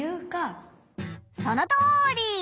そのとおり！